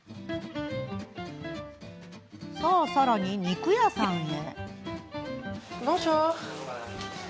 さらに、肉屋さんへ。